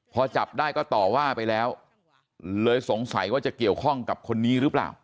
พอจับได้ก็ต่อว่าไปแล้วเลยสงสัยว่าจะเกี่ยวข้องกับคนนี้หรือเปล่า